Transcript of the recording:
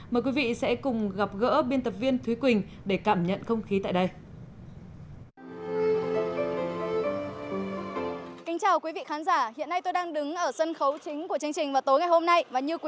mời quý vị sẽ cùng gặp gỡ biên tập viên thúy quỳnh để cảm nhận không khí tại đây